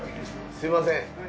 すみません。